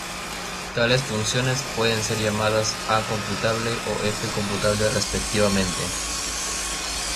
Tales funciones pueden ser llamadas A-computable o f-computable respectivamente.